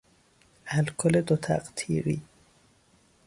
الکل دو تقطیری